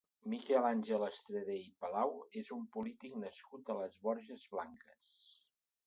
Miquel Àngel Estradé i Palau és un polític nascut a les Borges Blanques.